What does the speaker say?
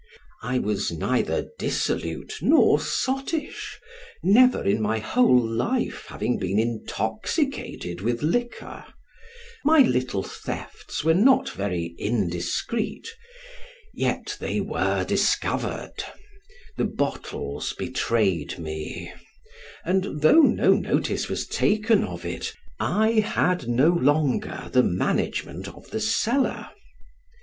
I was neither dissolute nor sottish, never in my whole life having been intoxicated with liquor; my little thefts were not very indiscreet, yet they were discovered; the bottles betrayed me, and though no notice was taken of it, I had no longer the management of the cellar.